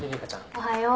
おはよう。